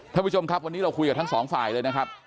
ท่านผู้ชมครับวันนี้เราคุยกับทั้งสองฝ่ายเลยนะครับ